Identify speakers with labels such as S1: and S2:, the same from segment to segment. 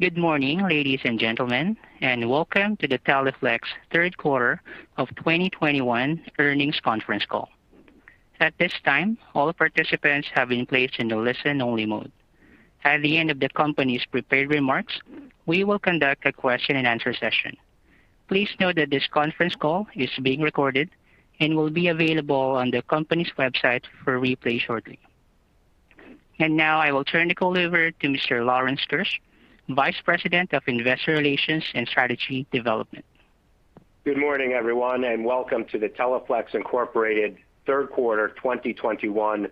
S1: Good morning, ladies and gentlemen, and Welcome to the Teleflex Third Quarter of 2021 Earnings Conference Call. At this time, all participants have been placed in the listen-only mode. At the end of the company's prepared remarks, we will conduct a question-and-answer session. Please note that this conference call is being recorded and will be available on the company's website for replay shortly. Now I will turn the call over to Mr. Lawrence Keusch, Vice President of Investor Relations and Strategy Development.
S2: Good morning, everyone, and Welcome to the Teleflex Incorporated Third Quarter 2021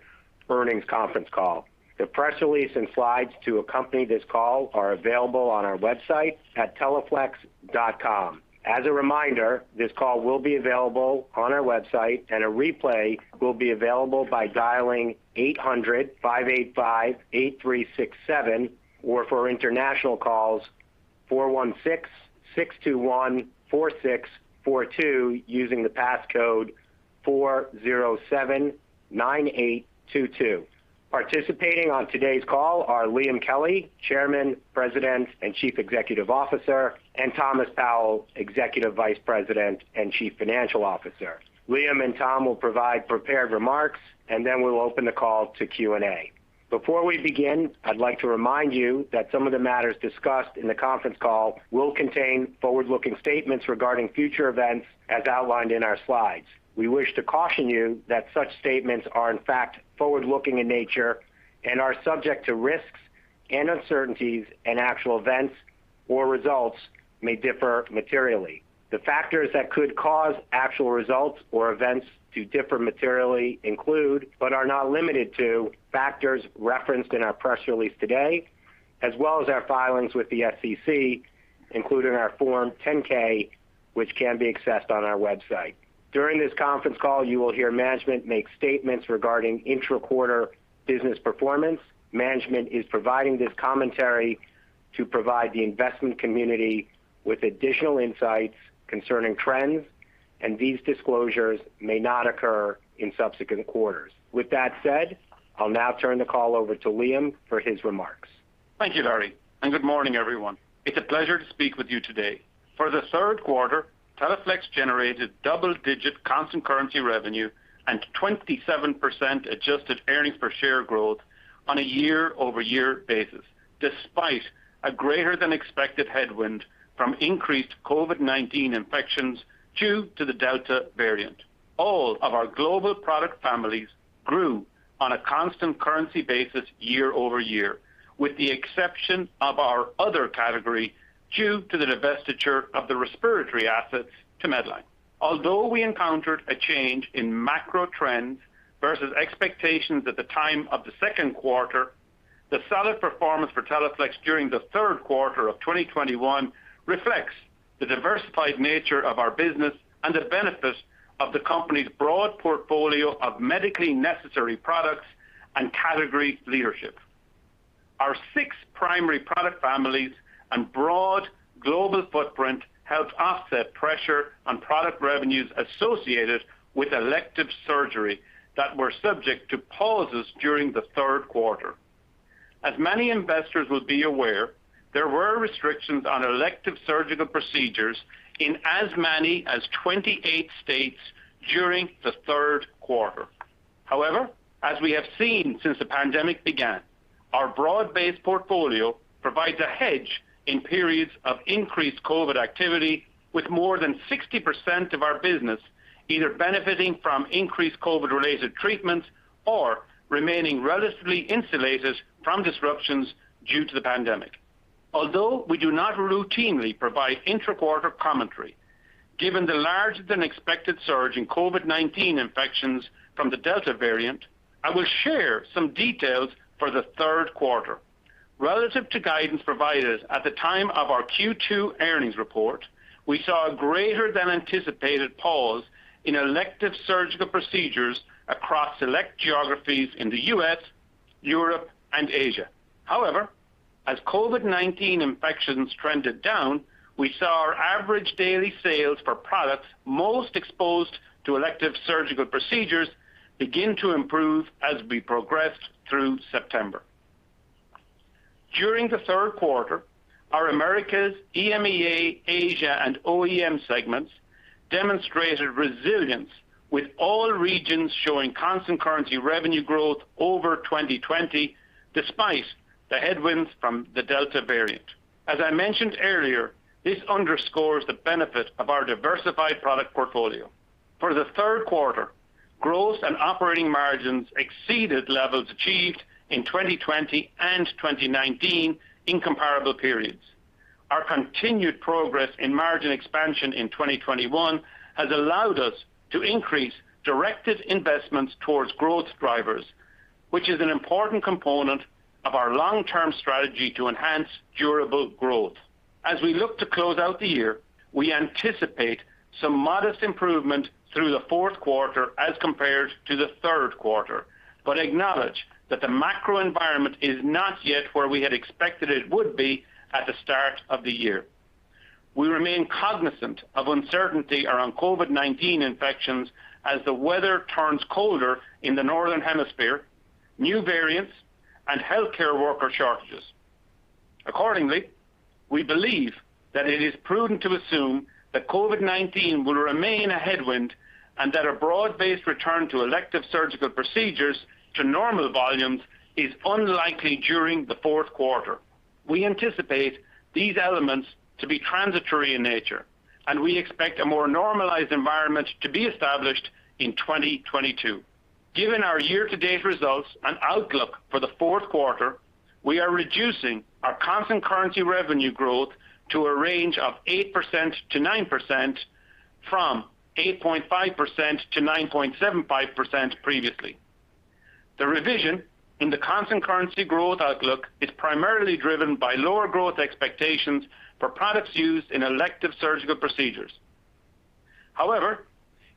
S2: Earnings Conference Call. The press release and slides to accompany this call are available on our website at teleflex.com. As a reminder, this call will be available on our website, and a replay will be available by dialing 800-585-8367, or for international calls, 416-621-4642 using the passcode 4079822. Participating on today's call are Liam Kelly, Chairman, President, and Chief Executive Officer, and Thomas Powell, Executive Vice President and Chief Financial Officer. Liam and Tom will provide prepared remarks, and then we'll open the call to Q&A. Before we begin, I'd like to remind you that some of the matters discussed in the conference call will contain forward-looking statements regarding future events as outlined in our slides. We wish to caution you that such statements are, in fact, forward-looking in nature and are subject to risks and uncertainties, and actual events or results may differ materially. The factors that could cause actual results or events to differ materially include, but are not limited to, factors referenced in our press release today, as well as our filings with the SEC, including our Form 10-K, which can be accessed on our website. During this conference call, you will hear management make statements regarding intra-quarter business performance. Management is providing this commentary to provide the investment community with additional insights concerning trends, and these disclosures may not occur in subsequent quarters. With that said, I'll now turn the call over to Liam for his remarks.
S3: Thank you, Lawrence, and good morning, everyone. It's a pleasure to speak with you today. For the third quarter, Teleflex generated double-digit constant currency revenue and 27% adjusted earnings per share growth on a year-over-year basis, despite a greater than expected headwind from increased COVID-19 infections due to the Delta variant. All of our global product families grew on a constant currency basis year-over-year, with the exception of our other category due to the divestiture of the respiratory assets to Medline. Although we encountered a change in macro trends versus expectations at the time of the second quarter, the solid performance for Teleflex during the third quarter of 2021 reflects the diversified nature of our business and the benefits of the company's broad portfolio of medically necessary products and category leadership. Our six primary product families and broad global footprint helped offset pressure on product revenues associated with elective surgery that were subject to pauses during the third quarter. As many investors would be aware, there were restrictions on elective surgical procedures in as many as 28 states during the third quarter. However, as we have seen since the pandemic began, our broad-based portfolio provides a hedge in periods of increased COVID activity with more than 60% of our business either benefiting from increased COVID-related treatments or remaining relatively insulated from disruptions due to the pandemic. Although we do not routinely provide intra-quarter commentary, given the larger than expected surge in COVID-19 infections from the Delta variant, I will share some details for the third quarter. Relative to guidance provided at the time of our Q2 earnings report, we saw a greater than anticipated pause in elective surgical procedures across select geographies in the U.S., Europe, and Asia. However, as COVID-19 infections trended down, we saw our average daily sales for products most exposed to elective surgical procedures begin to improve as we progressed through September. During the third quarter, our Americas, EMEA, Asia, and OEM segments demonstrated resilience, with all regions showing constant currency revenue growth over 2020 despite the headwinds from the Delta variant. As I mentioned earlier, this underscores the benefit of our diversified product portfolio. For the third quarter, growth and operating margins exceeded levels achieved in 2020 and 2019 in comparable periods. Our continued progress in margin expansion in 2021 has allowed us to increase directed investments towards growth drivers, which is an important component of our long-term strategy to enhance durable growth. As we look to close out the year, we anticipate some modest improvement through the fourth quarter as compared to the third quarter, but acknowledge that the macro environment is not yet where we had expected it would be at the start of the year. We remain cognizant of uncertainty around COVID-19 infections as the weather turns colder in the Northern Hemisphere, new variants, and healthcare worker shortages. Accordingly, we believe that it is prudent to assume that COVID-19 will remain a headwind and that a broad-based return to elective surgical procedures to normal volumes is unlikely during the fourth quarter. We anticipate these elements to be transitory in nature, and we expect a more normalized environment to be established in 2022. Given our year-to-date results and outlook for the fourth quarter, we are reducing our constant currency revenue growth to a range of 8%-9% from 8.5%-9.75% previously. The revision in the constant currency growth outlook is primarily driven by lower growth expectations for products used in elective surgical procedures. However,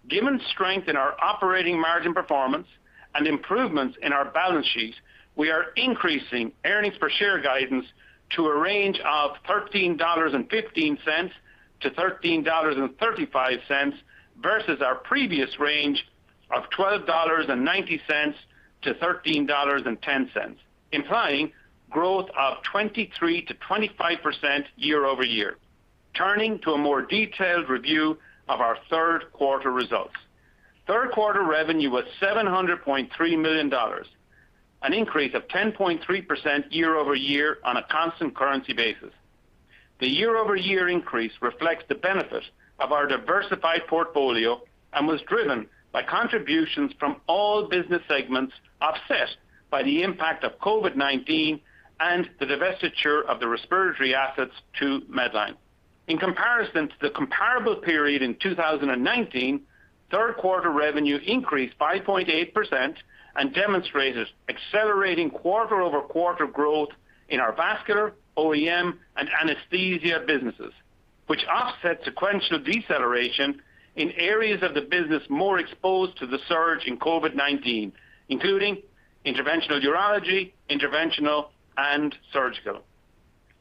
S3: given strength in our operating margin performance and improvements in our balance sheets, we are increasing earnings per share guidance to a range of $13.15-$13.35, versus our previous range of $12.90-$13.10, implying growth of 23%-25% year-over-year. Turning to a more detailed review of our third quarter results. Third quarter revenue was $700.3 million, an increase of 10.3% year-over-year on a constant currency basis. The year-over-year increase reflects the benefit of our diversified portfolio and was driven by contributions from all business segments offset by the impact of COVID-19 and the divestiture of the respiratory assets to Medline. In comparison to the comparable period in 2019, third quarter revenue increased 5.8% and demonstrated accelerating quarter-over-quarter growth in our vascular, OEM and anesthesia businesses, which offset sequential deceleration in areas of the business more exposed to the surge in COVID-19, including interventional neurology, interventional and surgical.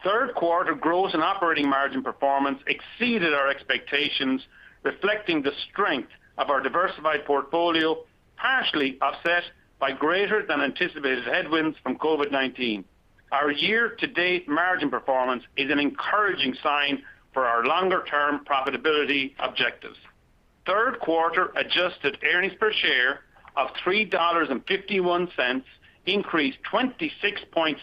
S3: Third quarter gross and operating margin performance exceeded our expectations, reflecting the strength of our diversified portfolio, partially offset by greater than anticipated headwinds from COVID-19. Our year-to-date margin performance is an encouraging sign for our longer term profitability objectives. Third quarter adjusted earnings per share of $3.51 increased 26.7%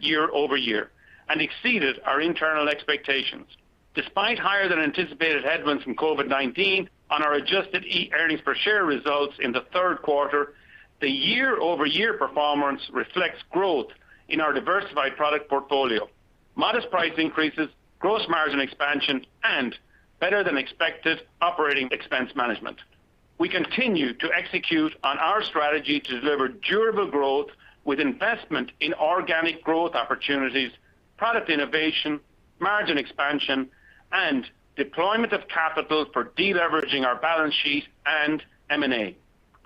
S3: year-over-year and exceeded our internal expectations. Despite higher than anticipated headwinds from COVID-19 on our adjusted earnings per share results in the third quarter, the year-over-year performance reflects growth in our diversified product portfolio, modest price increases, gross margin expansion, and better than expected operating expense management. We continue to execute on our strategy to deliver durable growth with investment in organic growth opportunities, product innovation, margin expansion, and deployment of capital for deleveraging our balance sheet and M&A.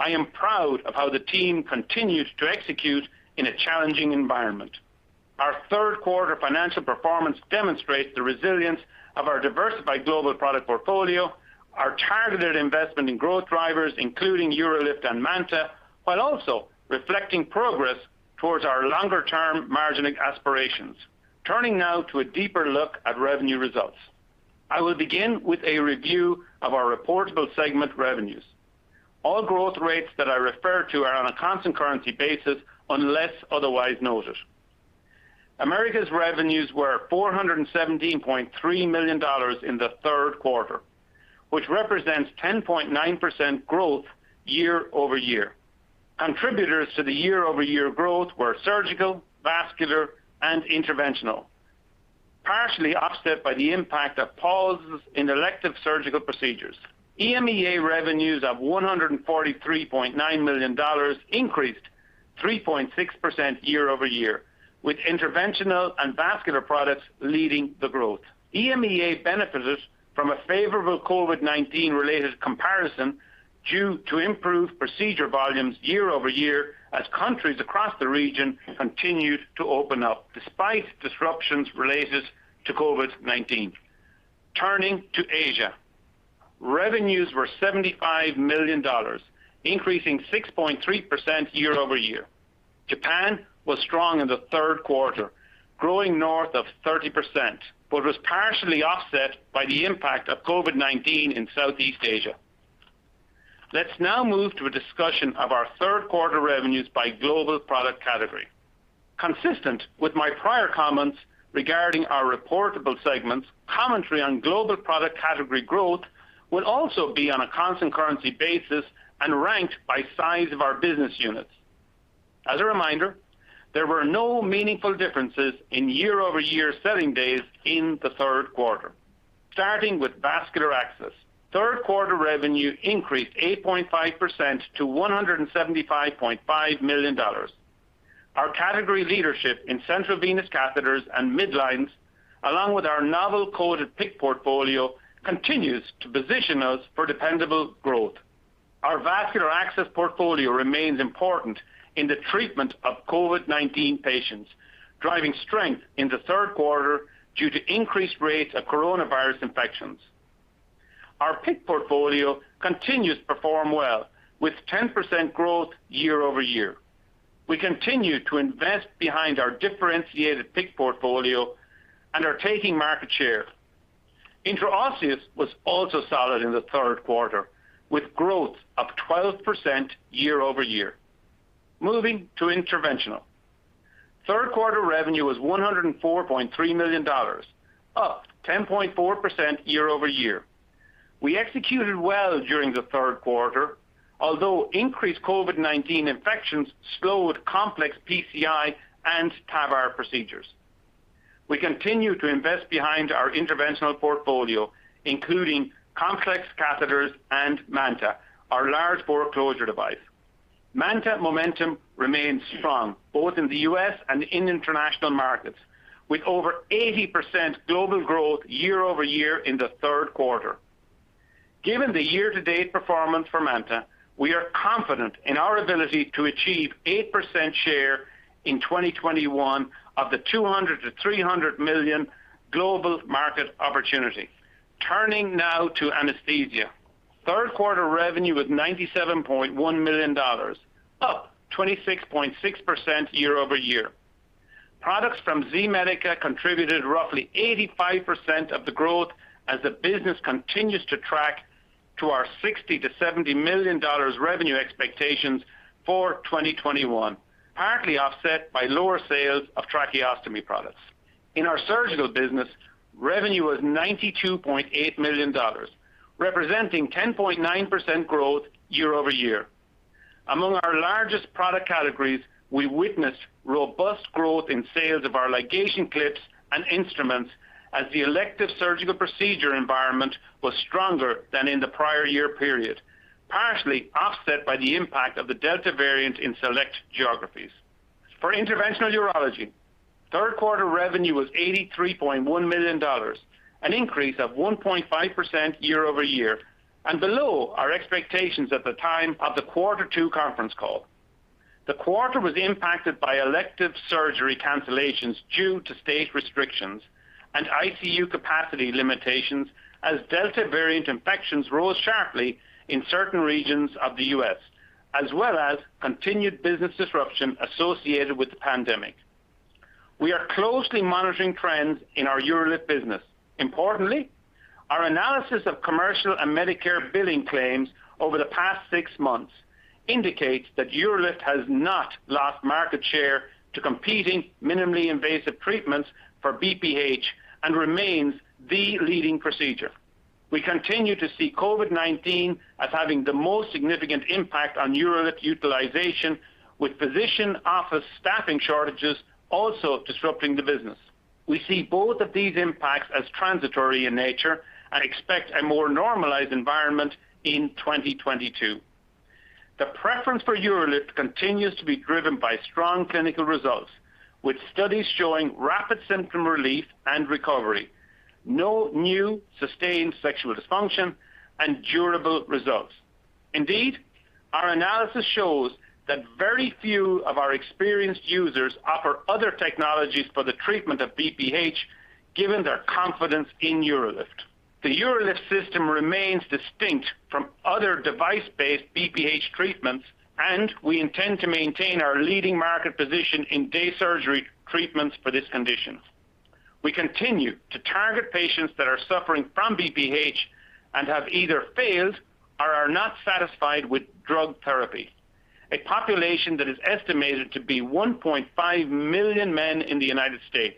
S3: I am proud of how the team continues to execute in a challenging environment. Our third quarter financial performance demonstrates the resilience of our diversified global product portfolio, our targeted investment in growth drivers, including UroLift and MANTA, while also reflecting progress towards our longer-term margining aspirations. Turning now to a deeper look at revenue results. I will begin with a review of our reportable segment revenues. All growth rates that I refer to are on a constant currency basis unless otherwise noted. Americas revenues were $417.3 million in the third quarter, which represents 10.9% growth year-over-year. Contributors to the year-over-year growth were surgical, vascular, and interventional, partially offset by the impact of pauses in elective surgical procedures. EMEA revenues of $143.9 million increased 3.6% year-over-year, with interventional and vascular products leading the growth. EMEA benefited from a favorable COVID-19-related comparison due to improved procedure volumes year-over-year as countries across the region continued to open up despite disruptions related to COVID-19. Turning to Asia. Revenues were $75 million, increasing 6.3% year-over-year. Japan was strong in the third quarter, growing north of 30%, but was partially offset by the impact of COVID-19 in Southeast Asia. Let's now move to a discussion of our third quarter revenues by global product category. Consistent with my prior comments regarding our reportable segments, commentary on global product category growth will also be on a constant currency basis and ranked by size of our business units. As a reminder, there were no meaningful differences in year-over-year selling days in the third quarter. Starting with vascular access. Third quarter revenue increased 8.5% to $175.5 million. Our category leadership in central venous catheters and midlines, along with our novel coated PICC portfolio, continues to position us for dependable growth. Our vascular access portfolio remains important in the treatment of COVID-19 patients, driving strength in the third quarter due to increased rates of coronavirus infections. Our PICC portfolio continues to perform well with 10% growth year-over-year. We continue to invest behind our differentiated PICC portfolio and are taking market share. Intraosseous was also solid in the third quarter, with growth of 12% year-over-year. Moving to interventional. Third quarter revenue was $104.3 million, up 10.4% year-over-year. We executed well during the third quarter, although increased COVID-19 infections slowed complex PCI and TAVR procedures. We continue to invest behind our interventional portfolio, including complex catheters and MANTA, our large bore closure device. MANTA momentum remains strong both in the U.S. and in international markets, with over 80% global growth year-over-year in the third quarter. Given the year-to-date performance for MANTA, we are confident in our ability to achieve 8% share in 2021 of the $200 million-$300 million global market opportunity. Turning now to anesthesia. Third quarter revenue was $97.1 million, up 26.6% year-over-year. Products from Z-Medica contributed roughly 85% of the growth as the business continues to track to our $60 million-$70 million revenue expectations for 2021, partly offset by lower sales of tracheostomy products. In our surgical business, revenue was $92.8 million, representing 10.9% growth year-over-year. Among our largest product categories, we witnessed robust growth in sales of our ligation clips and instruments as the elective surgical procedure environment was stronger than in the prior year period, partially offset by the impact of the Delta variant in select geographies. For interventional urology, third quarter revenue was $83.1 million, an increase of 1.5% year-over-year and below our expectations at the time of the quarter two conference call. The quarter was impacted by elective surgery cancellations due to state restrictions and ICU capacity limitations as Delta variant infections rose sharply in certain regions of the U.S., as well as continued business disruption associated with the pandemic. We are closely monitoring trends in our UroLift business. Importantly, our analysis of commercial and Medicare billing claims over the past six months indicates that UroLift has not lost market share to competing minimally invasive treatments for BPH and remains the leading procedure. We continue to see COVID-19 as having the most significant impact on UroLift utilization, with physician office staffing shortages also disrupting the business. We see both of these impacts as transitory in nature and expect a more normalized environment in 2022. The preference for UroLift continues to be driven by strong clinical results, with studies showing rapid symptom relief and recovery, no new sustained sexual dysfunction and durable results. Indeed, our analysis shows that very few of our experienced users offer other technologies for the treatment of BPH, given their confidence in UroLift. The UroLift system remains distinct from other device-based BPH treatments, and we intend to maintain our leading market position in day surgery treatments for this condition. We continue to target patients that are suffering from BPH and have either failed or are not satisfied with drug therapy, a population that is estimated to be 1.5 million men in the U.S.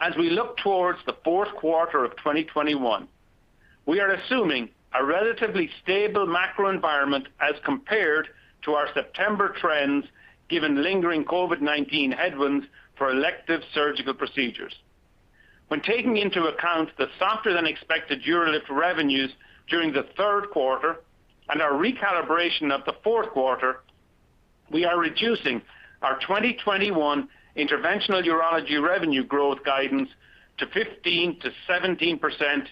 S3: As we look towards the fourth quarter of 2021, we are assuming a relatively stable macro environment as compared to our September trends given lingering COVID-19 headwinds for elective surgical procedures. When taking into account the softer than expected UroLift revenues during the third quarter and our recalibration of the fourth quarter, we are reducing our 2021 interventional urology revenue growth guidance to 15%-17%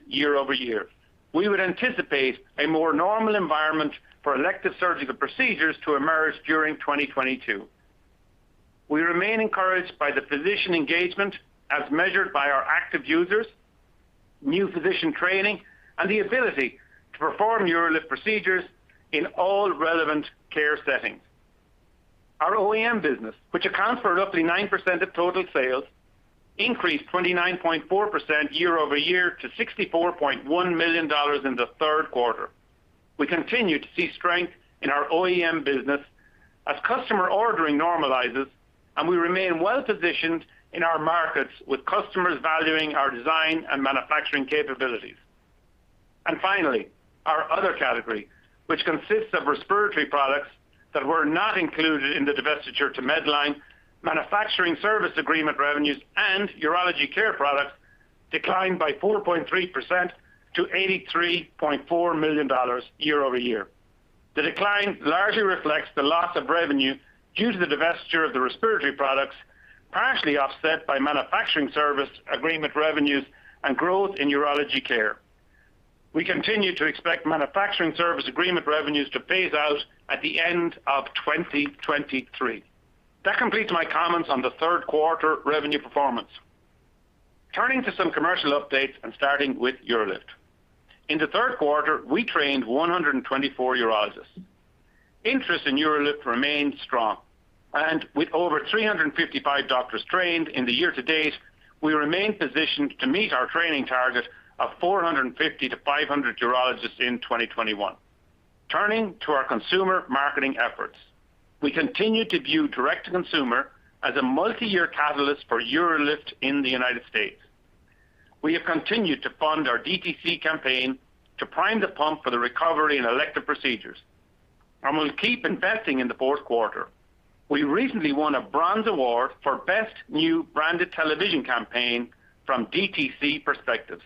S3: year-over-year. We would anticipate a more normal environment for elective surgical procedures to emerge during 2022. We remain encouraged by the physician engagement as measured by our active users, new physician training and the ability to perform UroLift procedures in all relevant care settings. Our OEM business, which accounts for roughly 9% of total sales, increased 29.4% year-over-year to $64.1 million in the third quarter. We continue to see strength in our OEM business as customer ordering normalizes and we remain well positioned in our markets, with customers valuing our design and manufacturing capabilities. Finally, our other category, which consists of respiratory products that were not included in the divestiture to Medline, manufacturing service agreement revenues and urology care products, declined by 4.3% to $83.4 million year-over-year. The decline largely reflects the loss of revenue due to the divestiture of the respiratory products, partially offset by manufacturing service agreement revenues and growth in urology care. We continue to expect manufacturing service agreement revenues to phase out at the end of 2023. That completes my comments on the third quarter revenue performance. Turning to some commercial updates and starting with UroLift. In the third quarter, we trained 124 urologists. Interest in UroLift remains strong, and with over 355 doctors trained in the year to date, we remain positioned to meet our training target of 450-500 urologists in 2021. Turning to our consumer marketing efforts. We continue to view direct-to-consumer as a multi-year catalyst for UroLift in the United States. We have continued to fund our DTC campaign to prime the pump for the recovery in elective procedures, and we'll keep investing in the fourth quarter. We recently won a bronze award for best new branded television campaign from DTC Perspectives,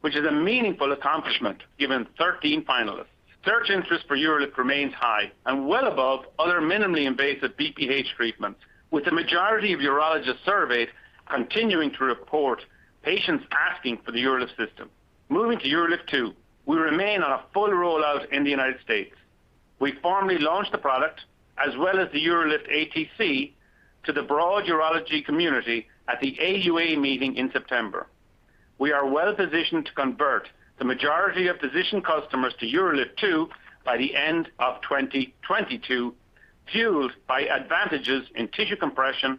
S3: which is a meaningful accomplishment given 13 finalists. Search interest for UroLift remains high and well above other minimally invasive BPH treatments, with the majority of urologists surveyed continuing to report patients asking for the UroLift system. Moving to UroLift 2, we remain on a full rollout in the United States. We formally launched the product as well as the UroLift ATC to the broad urology community at the AUA meeting in September. We are well-positioned to convert the majority of physician customers to UroLift 2 by the end of 2022, fueled by advantages in tissue compression,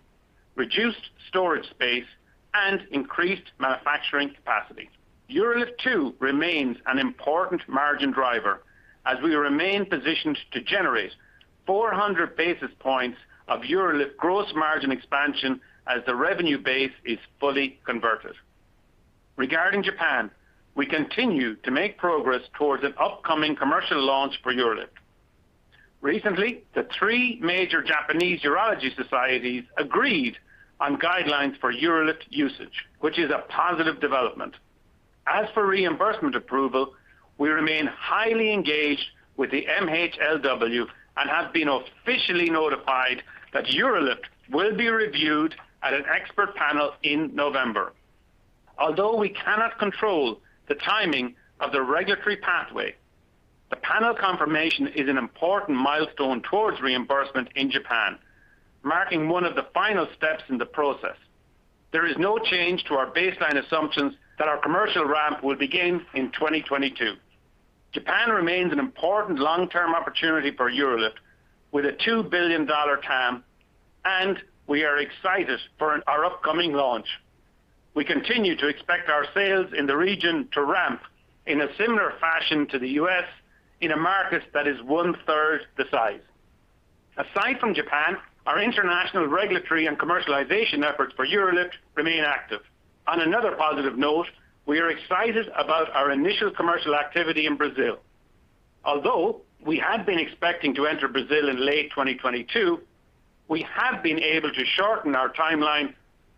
S3: reduced storage space, and increased manufacturing capacity. UroLift 2 remains an important margin driver as we remain positioned to generate 400 basis points of UroLift gross margin expansion as the revenue base is fully converted. Regarding Japan, we continue to make progress towards an upcoming commercial launch for UroLift. Recently, the three major Japanese urology societies agreed on guidelines for UroLift usage, which is a positive development. As for reimbursement approval, we remain highly engaged with the MHLW and have been officially notified that UroLift will be reviewed at an expert panel in November. Although we cannot control the timing of the regulatory pathway, the panel confirmation is an important milestone towards reimbursement in Japan, marking one of the final steps in the process. There is no change to our baseline assumptions that our commercial ramp will begin in 2022. Japan remains an important long-term opportunity for UroLift with a $2 billion TAM, and we are excited for our upcoming launch. We continue to expect our sales in the region to ramp in a similar fashion to the U.S. in a market that is 1/3 the size. Aside from Japan, our international regulatory and commercialization efforts for UroLift remain active. On another positive note, we are excited about our initial commercial activity in Brazil. Although we had been expecting to enter Brazil in late 2022, we have been able to shorten our timeline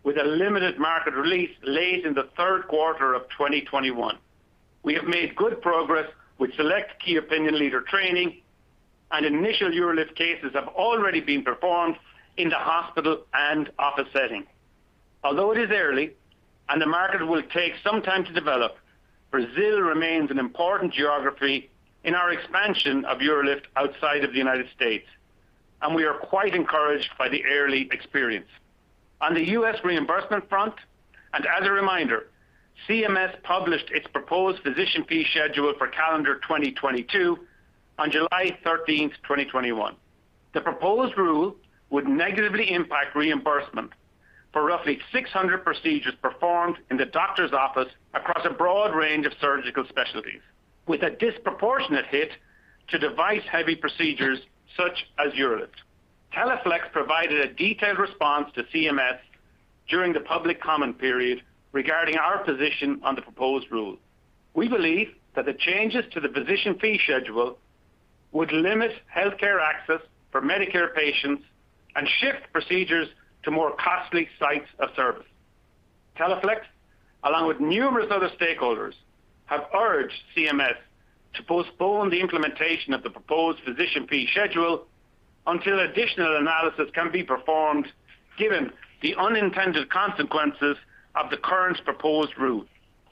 S3: with a limited market release late in the third quarter of 2021. We have made good progress with select key opinion leader training and initial UroLift cases have already been performed in the hospital and office setting. Although it is early and the market will take some time to develop, Brazil remains an important geography in our expansion of UroLift outside of the United States, and we are quite encouraged by the early experience. On the U.S. reimbursement front, and as a reminder, CMS published its proposed physician fee schedule for calendar 2022 on July 13, 2021. The proposed rule would negatively impact reimbursement for roughly 600 procedures performed in the doctor's office across a broad range of surgical specialties, with a disproportionate hit to device-heavy procedures such as UroLift. Teleflex provided a detailed response to CMS during the public comment period regarding our position on the proposed rule. We believe that the changes to the physician fee schedule would limit healthcare access for Medicare patients and shift procedures to more costly sites of service. Teleflex, along with numerous other stakeholders, have urged CMS to postpone the implementation of the proposed physician fee schedule until additional analysis can be performed, given the unintended consequences of the current proposed rule.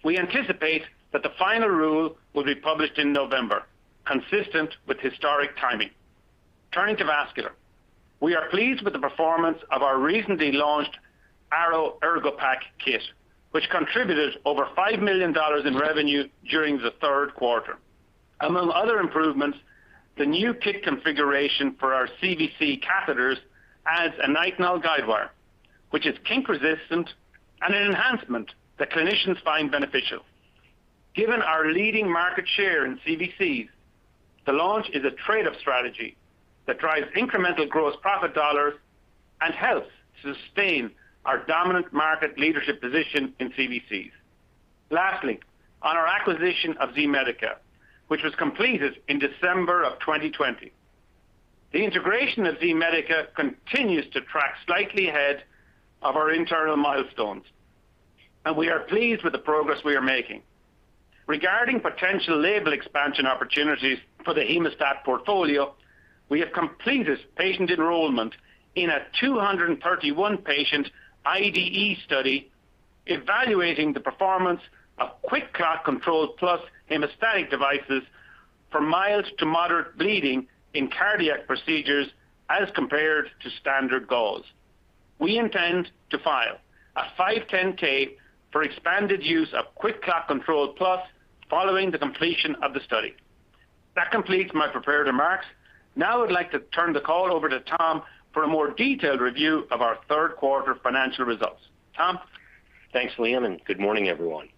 S3: We anticipate that the final rule will be published in November, consistent with historic timing. Turning to Vascular. We are pleased with the performance of our recently launched Arrow ErgoPack kit, which contributed over $5 million in revenue during the third quarter. Among other improvements, the new kit configuration for our CVC catheters adds a nitinol guide wire, which is kink-resistant and an enhancement that clinicians find beneficial. Given our leading market share in CVCs, the launch is a trade-off strategy that drives incremental gross profit dollars and helps to sustain our dominant market leadership position in CVCs. Lastly, on our acquisition of Z-Medica, which was completed in December 2020. The integration of Z-Medica continues to track slightly ahead of our internal milestones. We are pleased with the progress we are making. Regarding potential label expansion opportunities for the hemostat portfolio, we have completed patient enrollment in a 231-patient IDE study evaluating the performance of QuikClot Control+ hemostatic devices for mild to moderate bleeding in cardiac procedures as compared to standard gauze. We intend to file a 510(k) for expanded use of QuikClot Control+ following the completion of the study. That completes my prepared remarks. Now I'd like to turn the call over to Tom for a more detailed review of our third quarter financial results. Tom?
S4: Thanks, Liam, and good morning, everyone.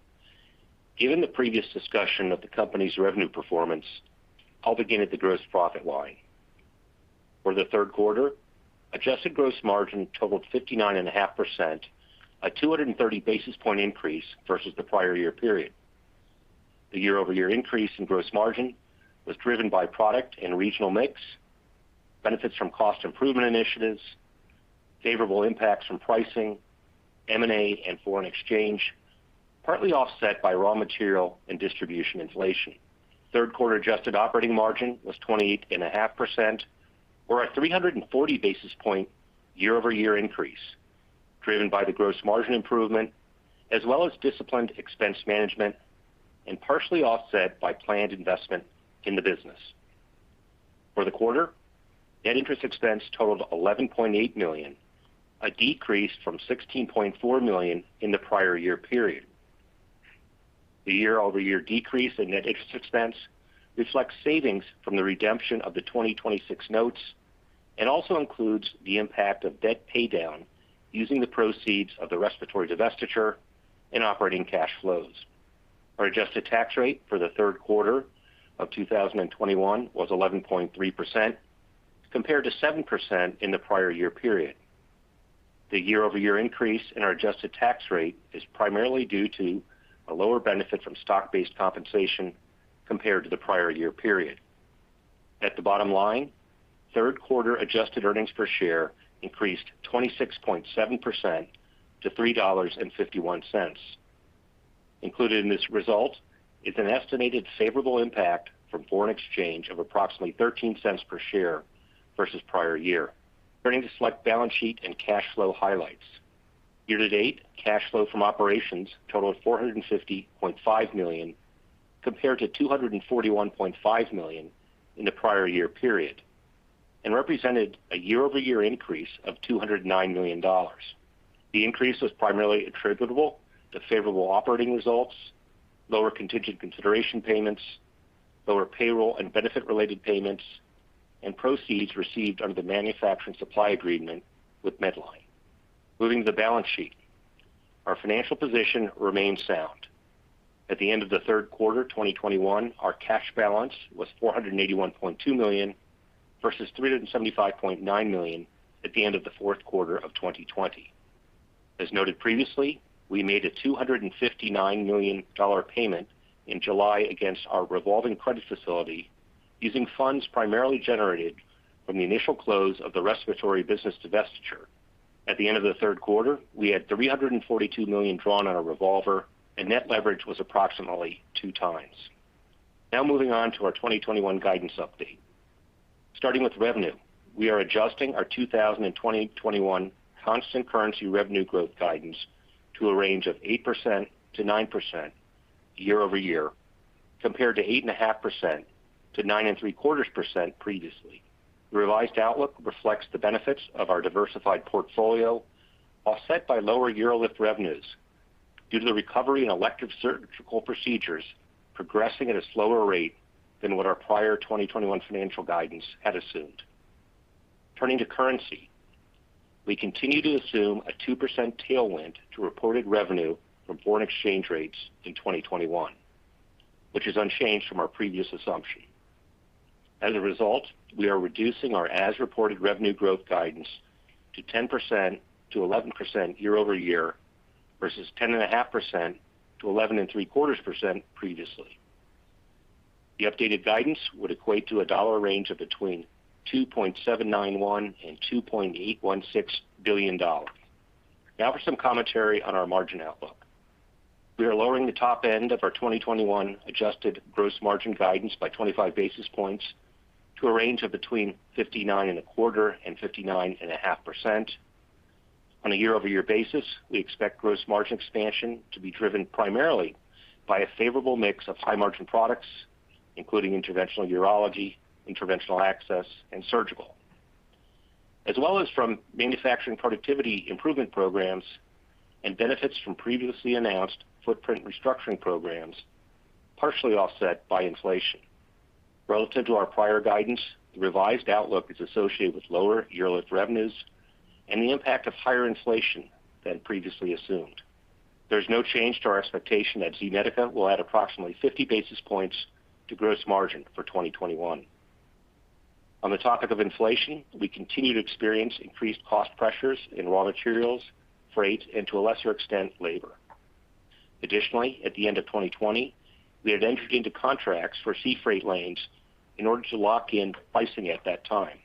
S4: Given the previous discussion of the company's revenue performance, I'll begin at the gross profit line. For the third quarter, adjusted gross margin totaled 59.5%, a 230 basis point increase versus the prior year period. The year-over-year increase in gross margin was driven by product and regional mix, benefits from cost improvement initiatives, favorable impacts from pricing, M&A, and foreign exchange, partly offset by raw material and distribution inflation. Third quarter adjusted operating margin was 28.5% or a 340 basis point year-over-year increase, driven by the gross margin improvement as well as disciplined expense management, and partially offset by planned investment in the business. For the quarter, net interest expense totaled $11.8 million, a decrease from $16.4 million in the prior year period. The year-over-year decrease in net interest expense reflects savings from the redemption of the 2026 notes and also includes the impact of debt pay down using the proceeds of the respiratory divestiture and operating cash flows. Our adjusted tax rate for the third quarter of 2021 was 11.3% compared to 7% in the prior year period. The year-over-year increase in our adjusted tax rate is primarily due to a lower benefit from stock-based compensation compared to the prior year period. At the bottom line, third quarter adjusted earnings per share increased 26.7% to $3.51. Included in this result is an estimated favorable impact from foreign exchange of approximately $0.13 per share versus prior year. Turning to select balance sheet and cash flow highlights. Year-to-date, cash flow from operations totaled $450.5 million compared to $241.5 million in the prior year period, and represented a year-over-year increase of $209 million. The increase was primarily attributable to favorable operating results, lower contingent consideration payments, lower payroll and benefit-related payments, and proceeds received under the manufacturing supply agreement with Medline. Moving to the balance sheet. Our financial position remains sound. At the end of the third quarter 2021, our cash balance was $481.2 million versus $375.9 million at the end of the fourth quarter of 2020. As noted previously, we made a $259 million payment in July against our revolving credit facility using funds primarily generated from the initial close of the respiratory business divestiture. At the end of the third quarter, we had $342 million drawn on a revolver, and net leverage was approximately 2x. Now moving on to our 2021 guidance update. Starting with revenue, we are adjusting our 2021 constant currency revenue growth guidance to a range of 8%-9% year-over-year, compared to 8.5%-9.75% previously. The revised outlook reflects the benefits of our diversified portfolio, offset by lower UroLift revenues due to the recovery in elective surgical procedures progressing at a slower rate than what our prior 2021 financial guidance had assumed. Turning to currency, we continue to assume a 2% tailwind to reported revenue from foreign exchange rates in 2021, which is unchanged from our previous assumption. As a result, we are reducing our as-reported revenue growth guidance to 10%-11% year-over-year versus 10.5%-11.75% previously. The updated guidance would equate to a dollar range of between $2.791 billion and $2.816 billion. Now for some commentary on our margin outlook. We are lowering the top end of our 2021 adjusted gross margin guidance by 25 basis points to a range of between 59.25% and 59.5%. On a year-over-year basis, we expect gross margin expansion to be driven primarily by a favorable mix of high-margin products, including interventional urology, interventional access, and surgical, as well as from manufacturing productivity improvement programs and benefits from previously announced footprint restructuring programs, partially offset by inflation. Relative to our prior guidance, the revised outlook is associated with lower UroLift revenues and the impact of higher inflation than previously assumed. There's no change to our expectation that Z-Medica will add approximately 50 basis points to gross margin for 2021. On the topic of inflation, we continue to experience increased cost pressures in raw materials, freight, and to a lesser extent, labor. Additionally, at the end of 2020, we had entered into contracts for sea freight lanes in order to lock in pricing at that time.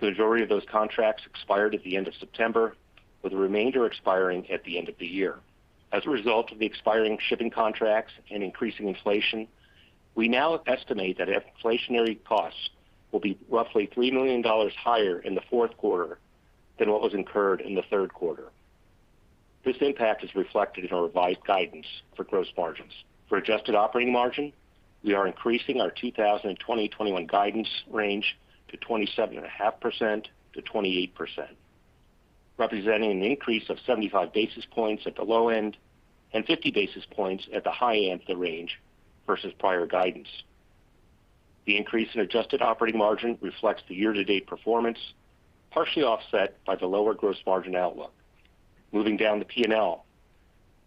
S4: The majority of those contracts expired at the end of September, with the remainder expiring at the end of the year. As a result of the expiring shipping contracts and increasing inflation, we now estimate that inflationary costs will be roughly $3 million higher in the fourth quarter than what was incurred in the third quarter. This impact is reflected in our revised guidance for gross margins. For adjusted operating margin, we are increasing our 2021 guidance range to 27.5%-28%, representing an increase of 75 basis points at the low end and 50 basis points at the high end of the range versus prior guidance. The increase in adjusted operating margin reflects the year-to-date performance, partially offset by the lower gross margin outlook. Moving down the P&L.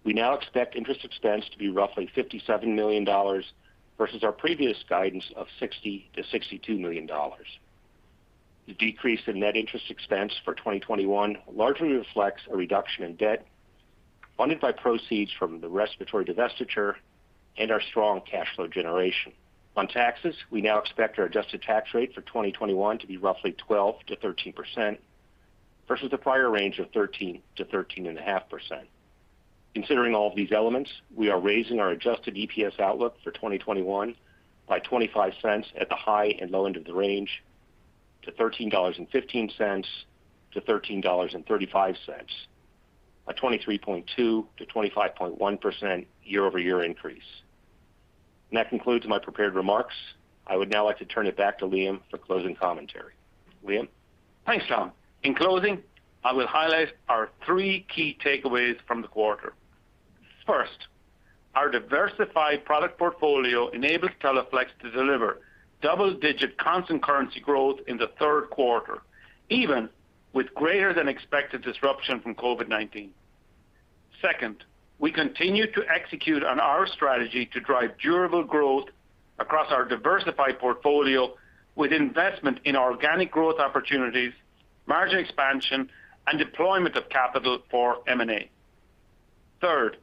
S4: We now expect interest expense to be roughly $57 million versus our previous guidance of $60 million-$62 million. The decrease in net interest expense for 2021 largely reflects a reduction in debt funded by proceeds from the respiratory divestiture and our strong cash flow generation. On taxes, we now expect our adjusted tax rate for 2021 to be roughly 12%-13% versus the prior range of 13%-13.5%. Considering all of these elements, we are raising our adjusted EPS outlook for 2021 by $0.25 at the high and low end of the range to $13.15-$13.35, a 23.2%-25.1% year-over-year increase. That concludes my prepared remarks. I would now like to turn it back to Liam for closing commentary. Liam.
S3: Thanks, Tom. In closing, I will highlight our three key takeaways from the quarter. First, our diversified product portfolio enabled Teleflex to deliver double-digit constant currency growth in the third quarter, even with greater than expected disruption from COVID-19. Second, we continue to execute on our strategy to drive durable growth across our diversified portfolio with investment in organic growth opportunities, margin expansion, and deployment of capital for M&A. Third,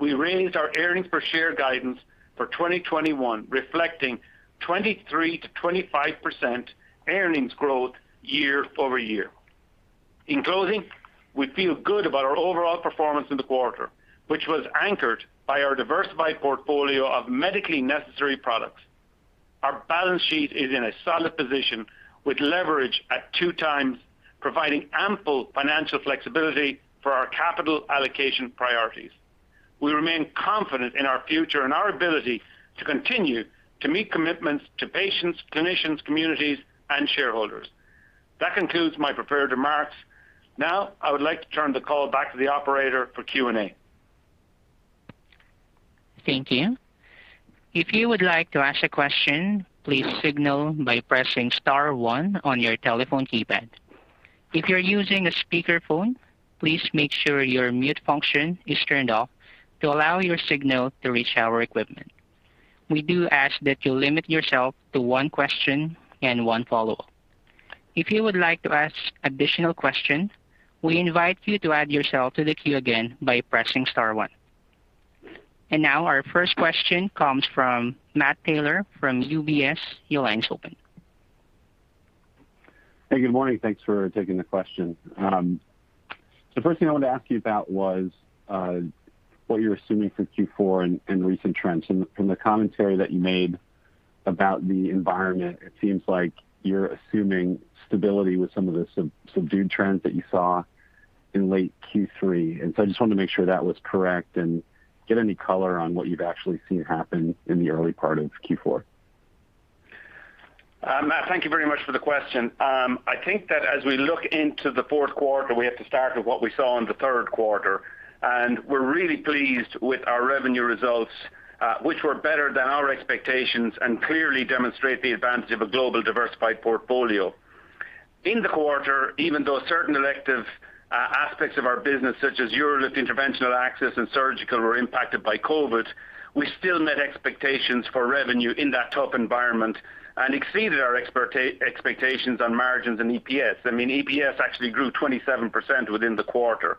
S3: we raised our earnings per share guidance for 2021, reflecting 23%-25% earnings growth year-over-year. In closing, we feel good about our overall performance in the quarter, which was anchored by our diversified portfolio of medically necessary products. Our balance sheet is in a solid position with leverage at 2x, providing ample financial flexibility for our capital allocation priorities. We remain confident in our future and our ability to continue to meet commitments to patients, clinicians, communities, and shareholders. That concludes my prepared remarks. Now, I would like to turn the call back to the operator for Q&A.
S1: Thank you. If you would like to ask a question, please signal by pressing star one on your telephone keypad. If you're using a speakerphone, please make sure your mute function is turned off to allow your signal to reach our equipment. We do ask that you limit yourself to one question and one follow-up. If you would like to ask additional questions, we invite you to add yourself to the queue again by pressing star one. Now our first question comes from Matt Taylor from UBS. Your line is open.
S5: Hey, good morning. Thanks for taking the question. The first thing I wanted to ask you about was what you're assuming for Q4 and recent trends. From the commentary that you made about the environment, it seems like you're assuming stability with some of the subdued trends that you saw in late Q3. I just wanted to make sure that was correct and get any color on what you've actually seen happen in the early part of Q4.
S3: Matt, thank you very much for the question. I think that as we look into the fourth quarter, we have to start with what we saw in the third quarter. We're really pleased with our revenue results, which were better than our expectations and clearly demonstrate the advantage of a global diversified portfolio. In the quarter, even though certain elective aspects of our business, such as UroLift, interventional access, and surgical were impacted by COVID, we still met expectations for revenue in that tough environment and exceeded our expectations on margins and EPS. I mean, EPS actually grew 27% within the quarter.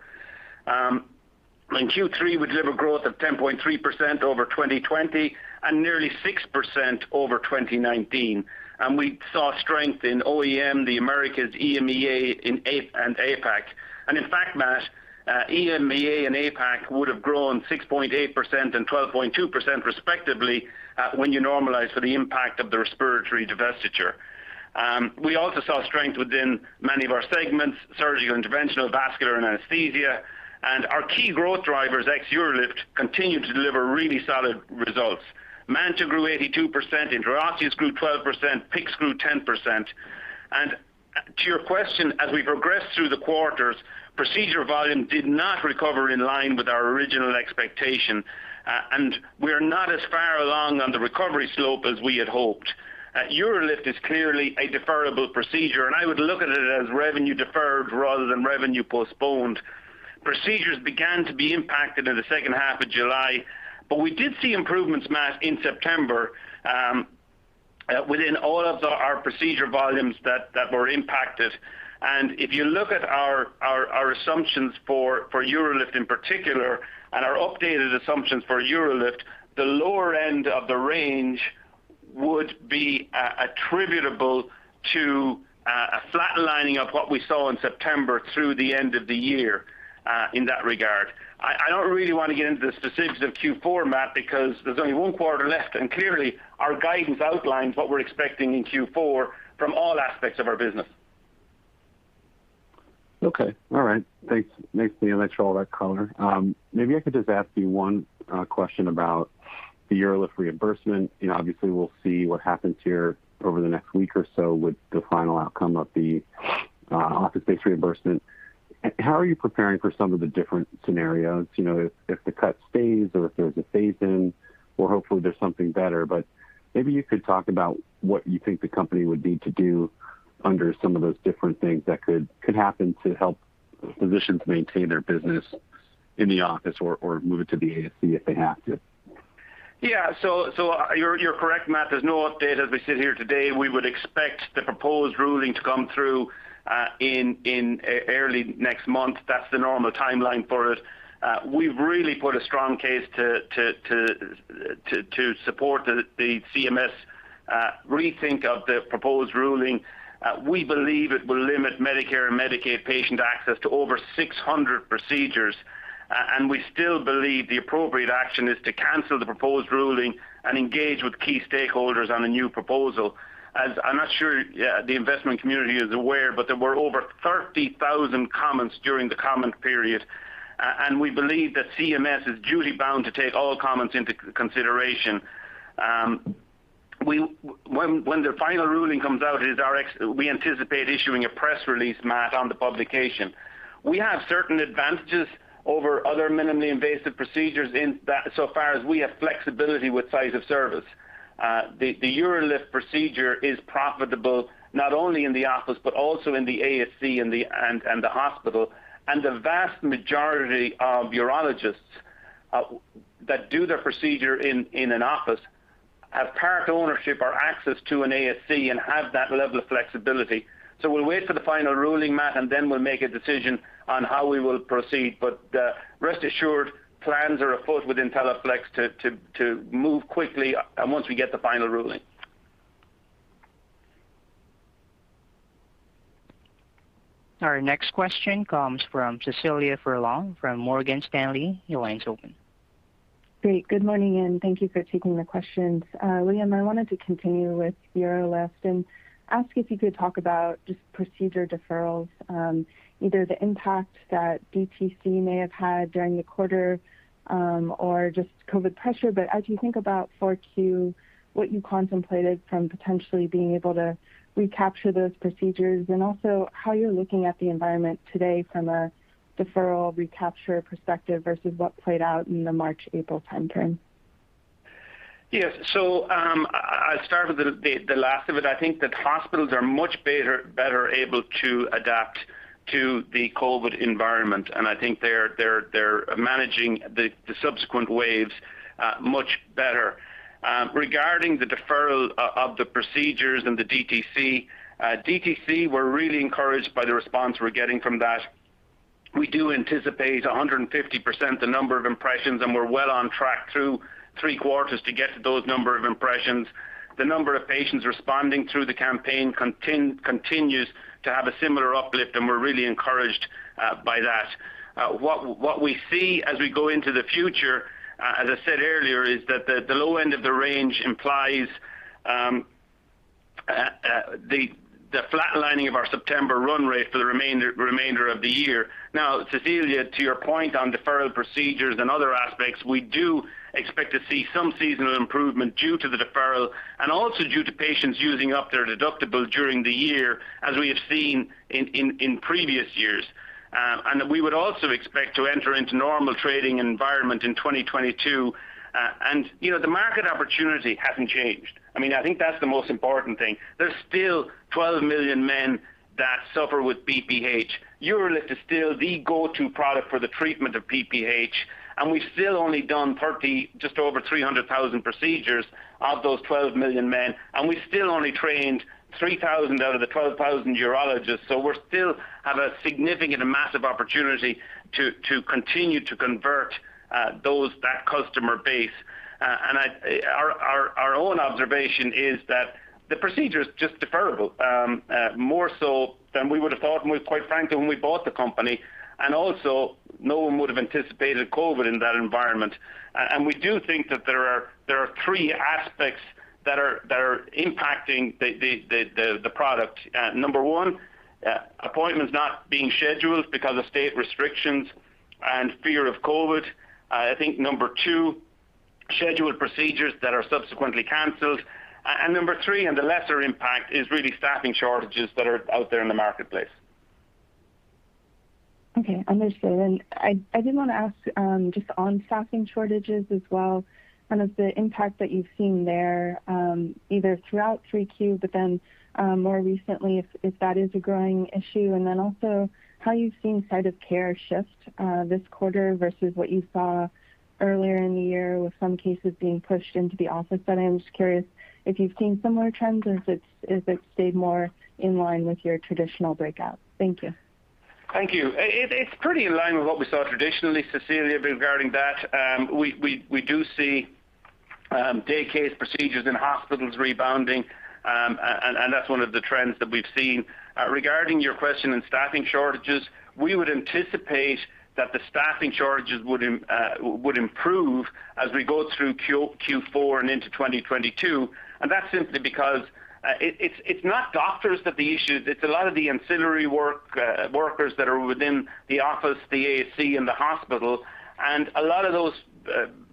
S3: In Q3, we delivered growth of 10.3% over 2020 and nearly 6% over 2019. We saw strength in OEM, the Americas, EMEA, and APAC. In fact, Matt, EMEA and APAC would have grown 6.8% and 12.2% respectively, when you normalize for the impact of the respiratory divestiture. We also saw strength within many of our segments, surgical, interventional, vascular, and anesthesia. Our key growth drivers, ex UroLift, continued to deliver really solid results. MANTA grew 82%, EZ-IO grew 12%, PICCs grew 10%. To your question, as we progressed through the quarters, procedure volume did not recover in line with our original expectation. We are not as far along on the recovery slope as we had hoped. UroLift is clearly a deferrable procedure, and I would look at it as revenue deferred rather than revenue postponed. Procedures began to be impacted in the second half of July, but we did see improvements, Matt, in September within all of our procedure volumes that were impacted. If you look at our assumptions for UroLift in particular and our updated assumptions for UroLift, the lower end of the range would be attributable to that lining up with what we saw in September through the end of the year, in that regard. I don't really want to get into the specifics of Q4, Matt, because there's only one quarter left, and clearly our guidance outlines what we're expecting in Q4 from all aspects of our business.
S5: Okay. All right. Thanks. Thanks for all that color. Maybe I could just ask you one question about the UroLift reimbursement. You know, obviously, we'll see what happens here over the next week or so with the final outcome of the office-based reimbursement. How are you preparing for some of the different scenarios? You know, if the cut stays or if there's a phase in or hopefully there's something better. Maybe you could talk about what you think the company would need to do under some of those different things that could happen to help physicians maintain their business in the office or move it to the ASC if they have to.
S3: Yeah. You're correct, Matt. There's no update as we sit here today. We would expect the proposed ruling to come through in early next month. That's the normal timeline for it. We've really put a strong case to support the CMS rethink of the proposed ruling. We believe it will limit Medicare and Medicaid patient access to over 600 procedures, and we still believe the appropriate action is to cancel the proposed ruling and engage with key stakeholders on a new proposal. As I'm not sure the investment community is aware, but there were over 30,000 comments during the comment period, and we believe that CMS is duly bound to take all comments into consideration. When the final ruling comes out, we anticipate issuing a press release, Matt, on the publication. We have certain advantages over other minimally invasive procedures in that so far as we have flexibility with site of service. The UroLift procedure is profitable not only in the office but also in the ASC and the hospital. The vast majority of urologists that do their procedure in an office have part ownership or access to an ASC and have that level of flexibility. We'll wait for the final ruling, Matt, and then we'll make a decision on how we will proceed. Rest assured, plans are afoot within Teleflex to move quickly once we get the final ruling.
S1: Our next question comes from Cecilia Furlong from Morgan Stanley. Your line's open.
S6: Great. Good morning, and thank you for taking the questions. Liam, I wanted to continue with UroLift and ask if you could talk about just procedure deferrals, either the impact that DTC may have had during the quarter, or just COVID pressure. As you think about Q4, what you contemplated from potentially being able to recapture those procedures and also how you're looking at the environment today from a deferral recapture perspective versus what played out in the March, April timeframe.
S3: Yes. I'll start with the last of it. I think that hospitals are much better able to adapt to the COVID environment, and I think they're managing the subsequent waves much better. Regarding the deferral of the procedures and the DTC. DTC, we're really encouraged by the response we're getting from that. We do anticipate 150% the number of impressions, and we're well on track through three quarters to get to those number of impressions. The number of patients responding through the campaign continues to have a similar uplift, and we're really encouraged by that. What we see as we go into the future, as I said earlier, is that the low end of the range implies the flatlining of our September run rate for the remainder of the year. Now, Cecilia, to your point on deferral procedures and other aspects, we do expect to see some seasonal improvement due to the deferral and also due to patients using up their deductible during the year, as we have seen in previous years. We would also expect to enter into normal trading environment in 2022. You know, the market opportunity hasn't changed. I mean, I think that's the most important thing. There's still 12 million men that suffer with BPH. UroLift is still the go-to product for the treatment of BPH, and we've still only done just over 300,000 procedures of those 12 million men. We still only trained 3,000 out of the 12,000 urologists. We're still have a significant and massive opportunity to continue to convert that customer base. Our own observation is that the procedure is just deferrable more so than we would have thought when we quite frankly, when we bought the company. Also, no one would have anticipated COVID in that environment. We do think that there are three aspects that are impacting the product. Number one, appointments not being scheduled because of state restrictions and fear of COVID. I think number two, scheduled procedures that are subsequently canceled. Number three, and the lesser impact is really staffing shortages that are out there in the marketplace.
S6: Okay, understood. I did want to ask just on staffing shortages as well, kind of the impact that you've seen there, either throughout Q3, but then more recently if that is a growing issue. Also how you've seen site of care shift this quarter versus what you saw earlier in the year with some cases being pushed into the office. I'm just curious if you've seen similar trends or is it stayed more in line with your traditional breakout? Thank you.
S3: Thank you. It's pretty in line with what we saw traditionally, Cecilia, regarding that. We do see day case procedures in hospitals rebounding. That's one of the trends that we've seen. Regarding your question on staffing shortages, we would anticipate that the staffing shortages would improve as we go through Q4 and into 2022, and that's simply because it's not doctors that the issue, it's a lot of the ancillary workers that are within the office, the ASC, and the hospital. A lot of those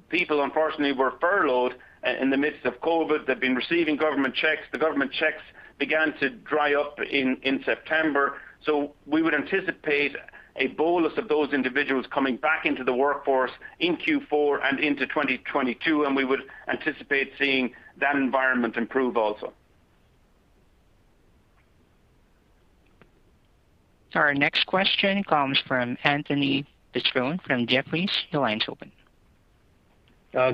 S3: people, unfortunately, were furloughed in the midst of COVID. They've been receiving government checks. The government checks began to dry up in September. We would anticipate a bolus of those individuals coming back into the workforce in Q4 and into 2022, and we would anticipate seeing that environment improve also.
S1: Our next question comes from Anthony Petrone from Jefferies. Your line's open.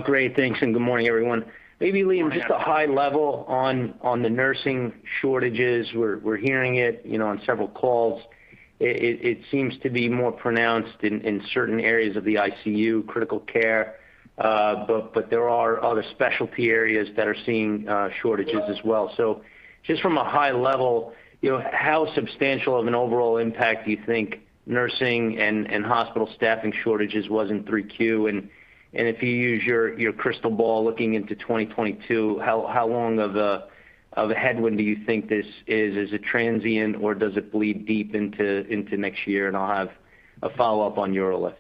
S7: Great. Thanks, and good morning, everyone.
S3: Morning.
S7: Maybe, Liam, just a high level on the nursing shortages. We're hearing it, you know, on several calls. It seems to be more pronounced in certain areas of the ICU, critical care, but there are other specialty areas that are seeing shortages as well. Just from a high level, you know, how substantial of an overall impact do you think nursing and hospital staffing shortages was in 3Q? And if you use your crystal ball looking into 2022, how long of a headwind do you think this is? Is it transient, or does it bleed deep into next year? And I'll have a follow-up on UroLift.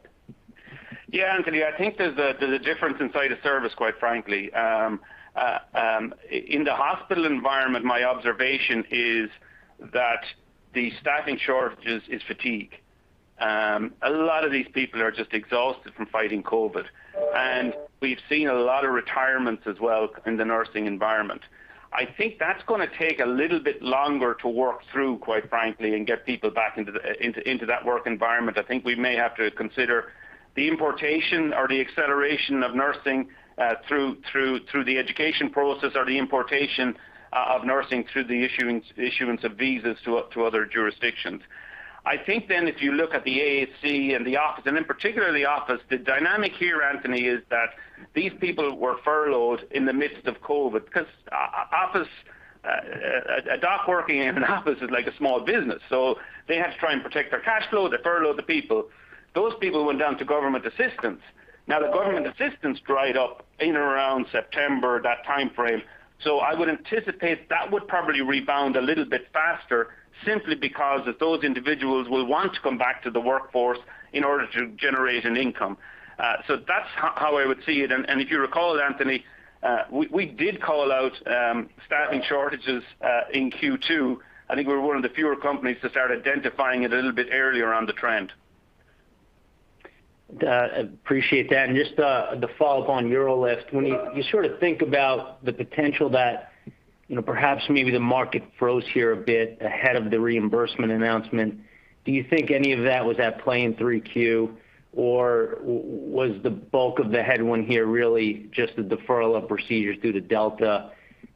S3: Yeah, Anthony. I think there's a difference in the service, quite frankly. In the hospital environment, my observation is that the staffing shortages is fatigue. A lot of these people are just exhausted from fighting COVID. We've seen a lot of retirements as well in the nursing environment. I think that's gonna take a little bit longer to work through, quite frankly, and get people back into that work environment. I think we may have to consider the importation or the acceleration of nursing through the education process or the importation of nursing through the issuance of visas to other jurisdictions. I think then if you look at the ASC and the office, and in particular the office, the dynamic here, Anthony, is that these people were furloughed in the midst of COVID because a doc working in an office is like a small business, so they have to try and protect their cash flow. They furlough the people. Those people went down to government assistance. Now, the government assistance dried up in around September, that timeframe. I would anticipate that would probably rebound a little bit faster simply because those individuals will want to come back to the workforce in order to generate an income. That's how I would see it. If you recall, Anthony, we did call out staffing shortages in Q2. I think we're one of the fewer companies to start identifying it a little bit earlier on the trend.
S7: Appreciate that. Just the follow-up on UroLift. When you sort of think about the potential that, you know, perhaps maybe the market froze here a bit ahead of the reimbursement announcement, do you think any of that was at play in Q3, or was the bulk of the headwind here really just the deferral of procedures due to Delta,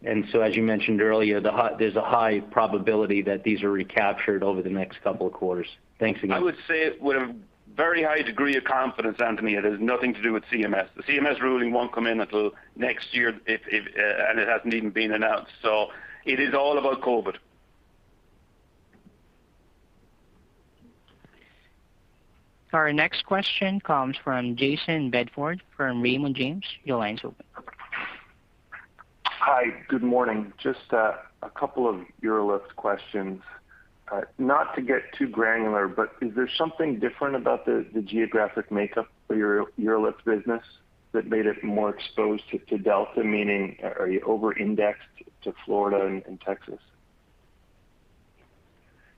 S7: and so as you mentioned earlier, there's a high probability that these are recaptured over the next couple of quarters? Thanks again.
S3: I would say with a very high degree of confidence, Anthony, it has nothing to do with CMS. The CMS ruling won't come in until next year, and it hasn't even been announced. It is all about COVID.
S1: Our next question comes from Jayson Bedford from Raymond James. Your line's open.
S8: Hi. Good morning. Just a couple of UroLift questions. Not to get too granular, but is there something different about the geographic makeup for your UroLift business that made it more exposed to Delta, meaning are you over-indexed to Florida and Texas?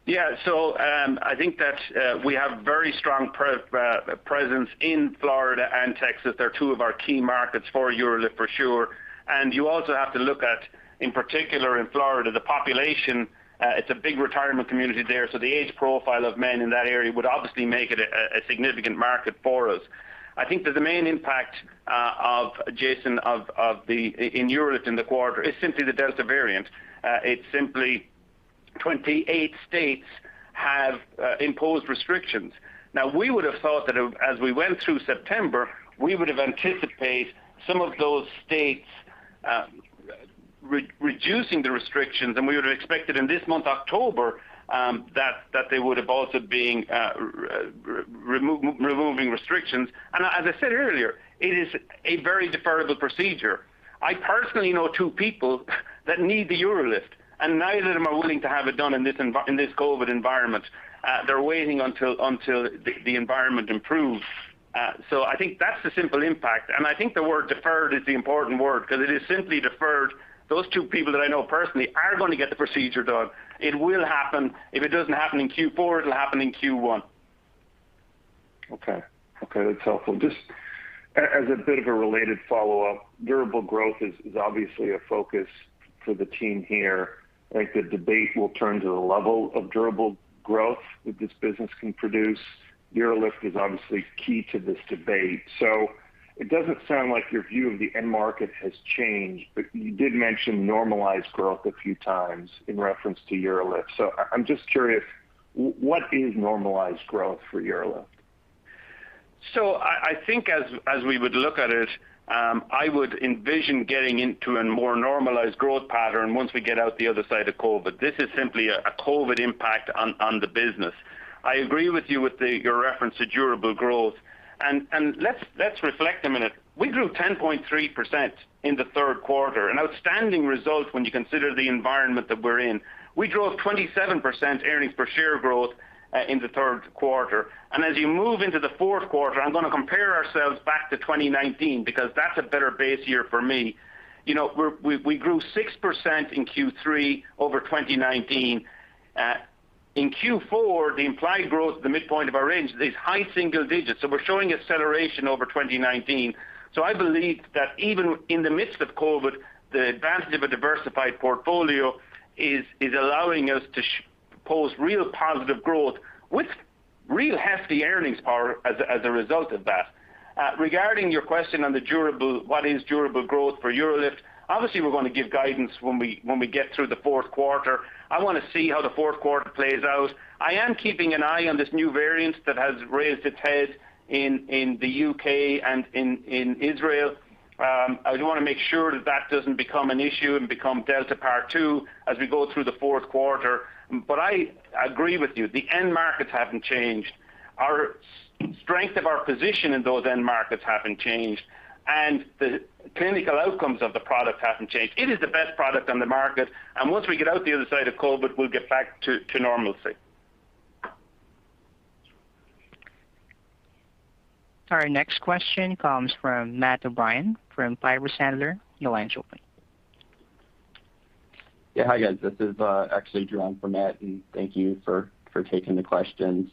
S3: Yeah. I think that we have very strong presence in Florida and Texas. They're two of our key markets for UroLift for sure. You also have to look at, in particular in Florida, the population. It's a big retirement community there, so the age profile of men in that area would obviously make it a significant market for us. I think that the main impact, Jayson, of the Delta variant in UroLift in the quarter is simply the Delta variant. It's simply 28 states have imposed restrictions. Now, we would have thought that as we went through September, we would have anticipated some of those states reducing the restrictions, and we would have expected in this month, October, that they would have also been removing restrictions. As I said earlier, it is a very deferrable procedure. I personally know two people that need the UroLift, and neither of them are willing to have it done in this COVID environment. They're waiting until the environment improves. So I think that's the simple impact. I think the word deferred is the important word because it is simply deferred. Those two people that I know personally are gonna get the procedure done. It will happen. If it doesn't happen in Q4, it'll happen in Q1.
S8: Okay. That's helpful. Just as a bit of a related follow-up, durable growth is obviously a focus for the team here. I think the debate will turn to the level of durable growth that this business can produce. UroLift is obviously key to this debate. It doesn't sound like your view of the end market has changed, but you did mention normalized growth a few times in reference to UroLift. I'm just curious, what is normalized growth for UroLift?
S3: I think as we would look at it, I would envision getting into a more normalized growth pattern once we get out the other side of COVID. This is simply a COVID impact on the business. I agree with you with your reference to durable growth. Let's reflect a minute. We grew 10.3% in the third quarter, an outstanding result when you consider the environment that we're in. We drove 27% earnings per share growth in the third quarter. As you move into the fourth quarter, I'm gonna compare ourselves back to 2019 because that's a better base year for me. You know, we grew 6% in Q3 over 2019. In Q4, the implied growth, the midpoint of our range is high single digits. We're showing acceleration over 2019. I believe that even in the midst of COVID, the advantage of a diversified portfolio is allowing us to post real positive growth with real hefty earnings power as a result of that. Regarding your question on the durable, what is durable growth for UroLift? Obviously, we're gonna give guidance when we get through the fourth quarter. I wanna see how the fourth quarter plays out. I am keeping an eye on this new variant that has raised its head in the U.K. and in Israel. I do wanna make sure that doesn't become an issue and become Delta part two as we go through the fourth quarter. I agree with you. The end markets haven't changed. Our strength of our position in those end markets haven't changed, and the clinical outcomes of the product haven't changed. It is the best product on the market, and once we get out the other side of COVID, we'll get back to normalcy.
S1: Our next question comes from Matt O'Brien from Piper Sandler. Your line's open.
S9: Yeah. Hi, guys. This is actually John from Matt, and thank you for taking the questions.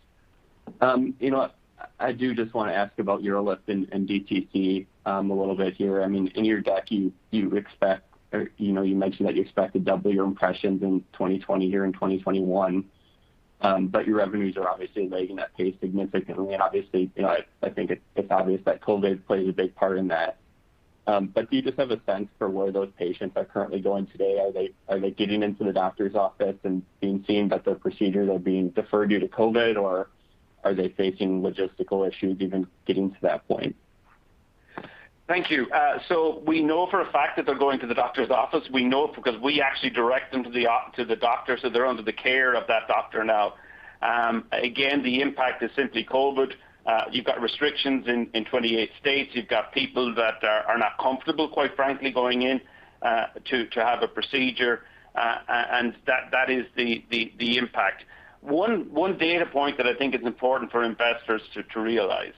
S9: You know what? I do just wanna ask about UroLift and DTC a little bit here. I mean, in your deck, you expect, or you know, you mentioned that you expect to double your impressions in 2020 here in 2021. Your revenues are obviously lagging that pace significantly. Obviously, you know, I think it's obvious that COVID plays a big part in that. Do you just have a sense for where those patients are currently going today? Are they getting into the doctor's office and being seen, but their procedures are being deferred due to COVID, or are they facing logistical issues even getting to that point?
S3: Thank you. So we know for a fact that they're going to the doctor's office. We know because we actually direct them to the doctor, so they're under the care of that doctor now. Again, the impact is simply COVID. You've got restrictions in 28 states. You've got people that are not comfortable, quite frankly, going in to have a procedure. And that is the impact. One data point that I think is important for investors to realize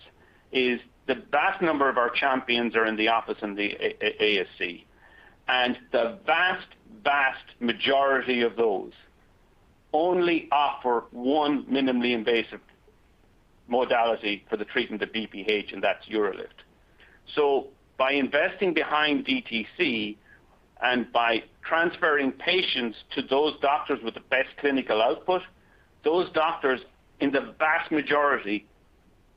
S3: is the vast number of our champions are in the office in the ASC. The vast majority of those only offer one minimally invasive modality for the treatment of BPH, and that's UroLift. By investing behind DTC and by transferring patients to those doctors with the best clinical output, those doctors, in the vast majority,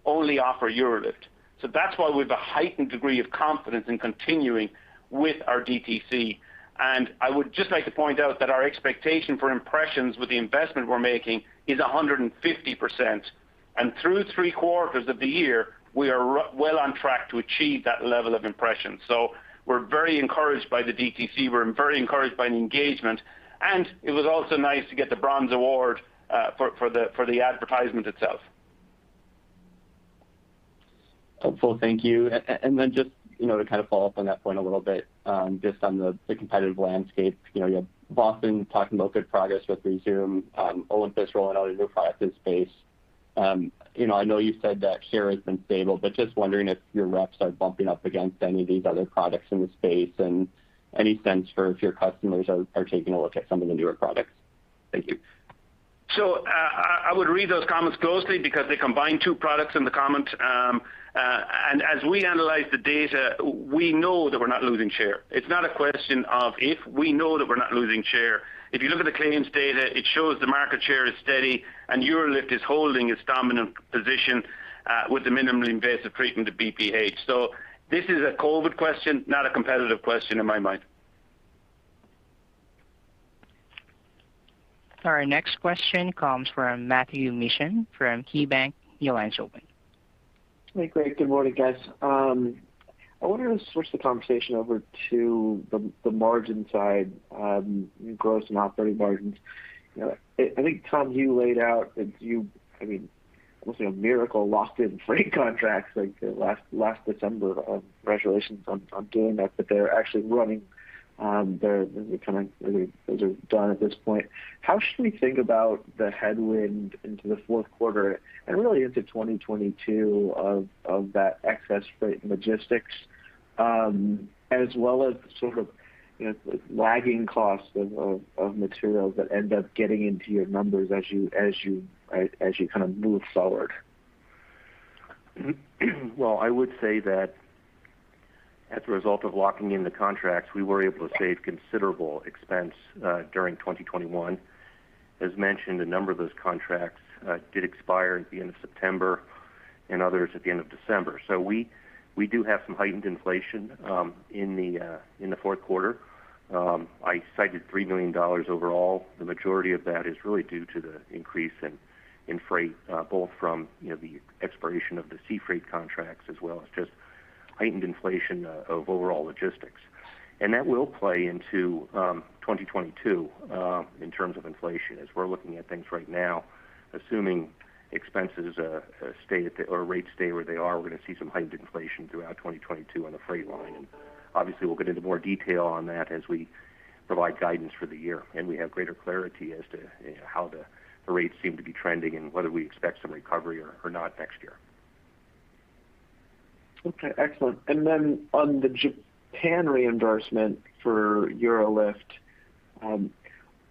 S3: only offer UroLift. That's why we have a heightened degree of confidence in continuing with our DTC. I would just like to point out that our expectation for impressions with the investment we're making is 150%. Through three quarters of the year, we are well on track to achieve that level of impression. We're very encouraged by the DTC. We're very encouraged by the engagement. It was also nice to get the Bronze Award for the advertisement itself.
S9: Helpful. Thank you. Just, you know, to kind of follow up on that point a little bit, just on the competitive landscape. You know, you have Boston talking about good progress with Rezūm, Olympus rolling out a new product in space. You know, I know you said that share has been stable, but just wondering if your reps are bumping up against any of these other products in the space, and any sense for if your customers are taking a look at some of the newer products. Thank you.
S3: I would read those comments closely because they combine two products in the comment. As we analyze the data, we know that we're not losing share. It's not a question of if. We know that we're not losing share. If you look at the claims data, it shows the market share is steady, and UroLift is holding its dominant position with the minimally invasive treatment of BPH. This is a COVID question, not a competitive question in my mind.
S1: Our next question comes from Matthew Mishan from KeyBanc. Your line's open.
S10: Hey, Greg. Good morning, guys. I wanted to switch the conversation over to the margin side, gross and operating margins. You know, I think, Tom, you laid out that you I mean, almost like a miracle locked-in freight contracts like last December. Congratulations on doing that. They're actually running, they're kind of those are done at this point. How should we think about the headwind into the fourth quarter and really into 2022 of that excess freight logistics, as well as sort of, you know, lagging costs of materials that end up getting into your numbers as you kind of move forward?
S4: Well, I would say that as a result of locking in the contracts, we were able to save considerable expense during 2021. As mentioned, a number of those contracts did expire at the end of September and others at the end of December. We do have some heightened inflation in the fourth quarter. I cited $3 million overall. The majority of that is really due to the increase in freight, both from, you know, the expiration of the sea freight contracts, as well as just heightened inflation of overall logistics. That will play into 2022 in terms of inflation. As we're looking at things right now, assuming rates stay where they are, we're gonna see some heightened inflation throughout 2022 on the freight line. Obviously we'll get into more detail on that as we provide guidance for the year, and we have greater clarity as to how the rates seem to be trending and whether we expect some recovery or not next year.
S10: Okay. Excellent. Then on the Japan reimbursement for UroLift,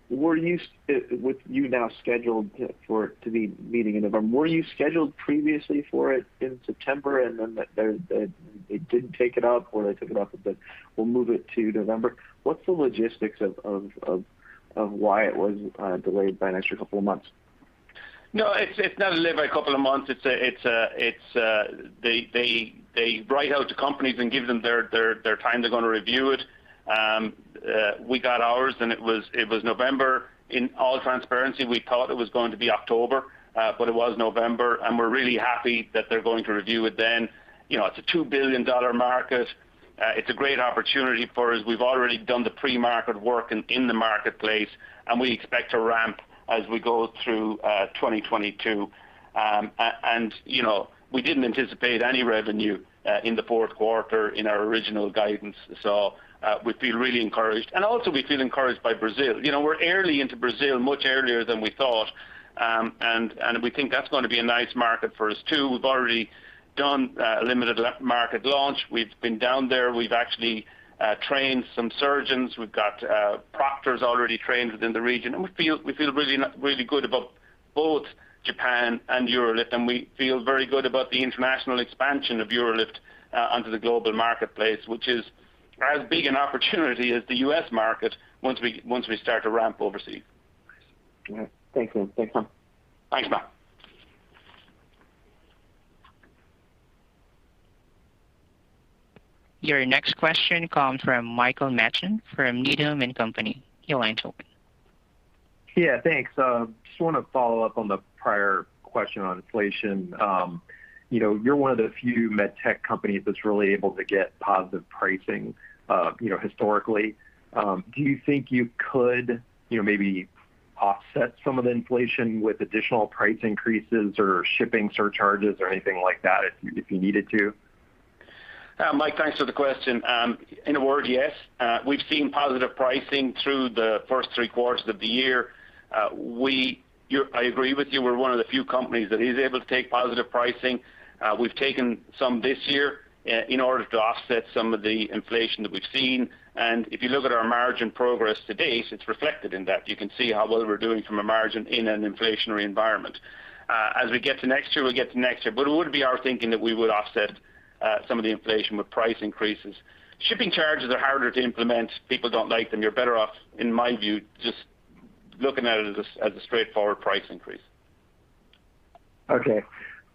S10: with it now scheduled for the meeting in November, were you scheduled previously for it in September, and then they didn't take it up or they took it up, but will move it to November? What's the logistics of why it was delayed by an extra couple of months?
S3: No, it's not delayed by a couple of months. They write out to companies and give them their time they're gonna review it. We got ours, and it was November. In all transparency, we thought it was going to be October, but it was November, and we're really happy that they're going to review it then. You know, it's a $2 billion market. It's a great opportunity for us. We've already done the pre-market work in the marketplace, and we expect to ramp as we go through 2022. You know, we didn't anticipate any revenue in the fourth quarter in our original guidance, so we feel really encouraged. We also feel encouraged by Brazil. You know, we're early into Brazil, much earlier than we thought. We think that's gonna be a nice market for us too. We've already done a limited market launch. We've been down there. We've actually trained some surgeons. We've got proctors already trained within the region, and we feel really good about both Japan and UroLift, and we feel very good about the international expansion of UroLift onto the global marketplace, which is as big an opportunity as the U.S. market once we start to ramp overseas.
S10: All right. Thank you. Thanks, Tom.
S3: Thanks, Matt.
S1: Your next question comes from Michael Matson from Needham & Company. Your line's open.
S11: Yeah. Thanks. Just wanna follow up on the prior question on inflation. You know, you're one of the few med tech companies that's really able to get positive pricing, you know, historically. Do you think you could, you know, maybe offset some of the inflation with additional price increases or shipping surcharges or anything like that if you needed to?
S3: Mike, thanks for the question. In a word, yes. We've seen positive pricing through the first three quarters of the year. I agree with you. We're one of the few companies that is able to take positive pricing. We've taken some this year in order to offset some of the inflation that we've seen. If you look at our margin progress to date, it's reflected in that. You can see how well we're doing from a margin in an inflationary environment. As we get to next year, we'll get to next year. It would be our thinking that we would offset some of the inflation with price increases. Shipping charges are harder to implement. People don't like them. You're better off, in my view, just looking at it as a straightforward price increase.
S11: Okay.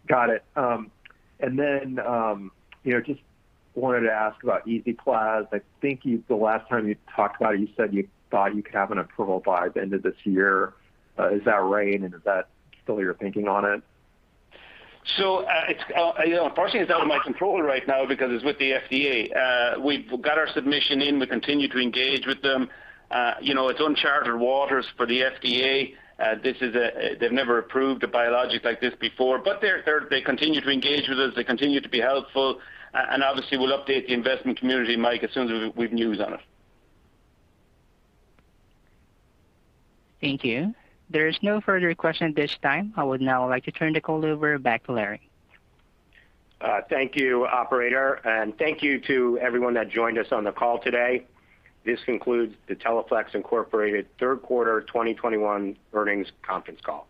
S11: Got it. You know, just wanted to ask about EZPlaz. I think you, the last time you talked about it, you said you thought you could have an approval by the end of this year. Is that right, and is that still your thinking on it?
S3: It's, you know, unfortunately, it's out of my control right now because it's with the FDA. We've got our submission in. We continue to engage with them. You know, it's uncharted waters for the FDA. They've never approved a biologic like this before. They continue to engage with us. They continue to be helpful. Obviously we'll update the investment community, Mike, as soon as we have news on it.
S1: Thank you. There is no further question at this time. I would now like to turn the call over back to Lawrence.
S2: Thank you, Operator, and thank you to everyone that joined us on the call today. This concludes the Teleflex Incorporated Third Quarter 2021 Earnings Conference Call.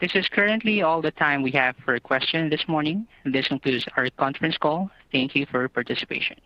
S1: This is currently all the time we have for questions this morning, and this concludes our conference call. Thank you for your participation.